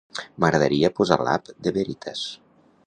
M'agradaria posar l'app de Veritas.